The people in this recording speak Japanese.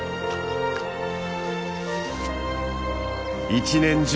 一年中